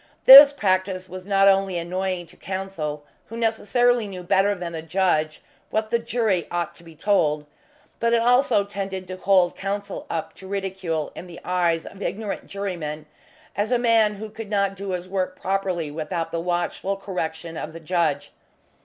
This practice was not only annoying to Counsel, who necessarily knew better than the judge what the jury ought to be told, but it also tended to hold Counsel up to ridicule in the eyes of ignorant jurymen as a man who could not do his work properly without the watchful correction of the judge.